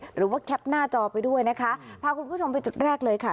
หรือว่าแคปหน้าจอไปด้วยนะคะพาคุณผู้ชมไปจุดแรกเลยค่ะ